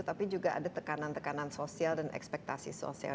tapi juga ada tekanan tekanan sosial dan ekspektasi sosial